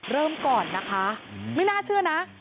เริ่มก่อนนะคะไม่น่าเชื่อนะ